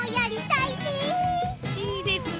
いいですね！